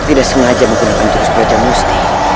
tidak sengaja menggunakan tulus belajar gusti